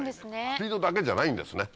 スピードだけじゃないんですね。